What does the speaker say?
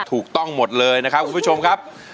ถูกต้องหมดเลยนะครับคุณผู้ชมครับ